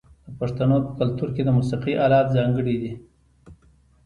د پښتنو په کلتور کې د موسیقۍ الات ځانګړي دي.